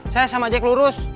saya sama jack lurus